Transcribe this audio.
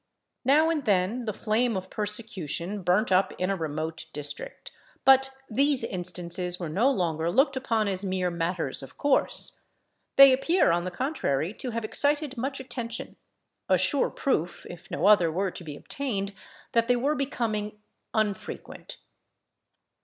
Now and then, the flame of persecution burnt up in a remote district; but these instances were no longer looked upon as mere matters of course. They appear, on the contrary, to have excited much attention; a sure proof, if no other were to be obtained, that they were becoming unfrequent.